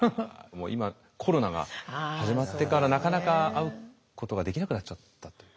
今コロナが始まってからなかなか会うことができなくなっちゃったという。